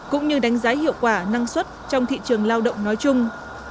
cũng như đánh giá hiệu quả năng suất trong thị trường lao động nói chung